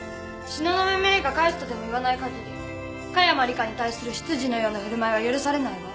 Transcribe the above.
東雲メイが返すとでも言わないかぎり華山リカに対する執事のような振る舞いは許されないわ。